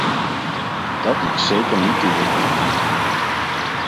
Dat mag zeker niet toegelaten worden.